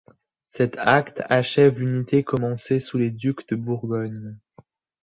Cet acte achève l'unité commencée sous les ducs de Bourgogne.